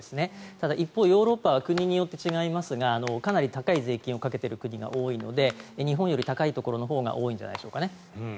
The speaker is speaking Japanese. ただ一方、ヨーロッパは国によって違いますがかなり高い税金をかけている国が多いので日本より高いところが多いんじゃないでしょうか。